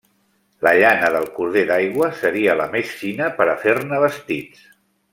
La llana del corder d'aigua seria la més fina per a fer-ne vestits.